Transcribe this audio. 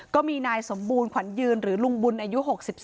ก็มีนายสมบูรณขวัญยืนหรือลุงบุญอายุ๖๒